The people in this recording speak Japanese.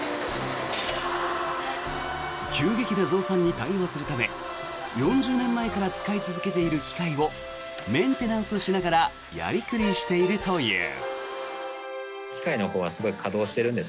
急激な増産に対応するために４０年前から使い続けている機械をメンテナンスしながらやり繰りしているという。